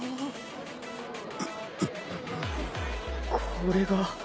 これが。